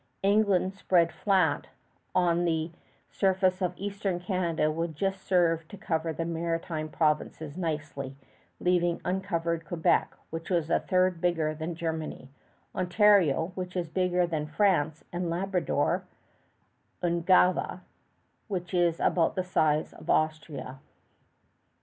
England spread flat on the surface of Eastern Canada would just serve to cover the Maritime Provinces nicely, leaving uncovered Quebec, which is a third bigger than Germany; Ontario, which is bigger than France; and Labrador (Ungava), which is about the size of Austria.